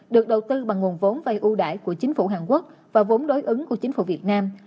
được đầu tư bằng nguồn vốn vay ưu đại của chính phủ hàn quốc và vốn đối ứng của chính phủ việt nam